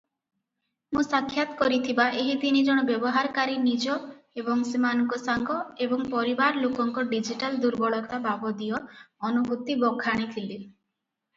ମୁଁ ସାକ୍ଷାତକାର କରିଥିବା ଏହି ତିନି ଜଣ ବ୍ୟବହାରକାରୀ ନିଜ ଏବଂ ସେମାନଙ୍କ ସାଙ୍ଗ ଏବଂ ପରିବାର ଲୋକଙ୍କ ଡିଜିଟାଲ ଦୁର୍ବଳତା ବାବଦୀୟ ଅନୁଭୂତି ବଖାଣିଥିଲେ ।